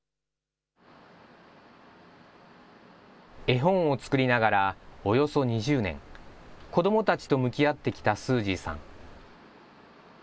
絵本を作りながら、およそ２０年、子どもたちと向き合ってきたスージーさん。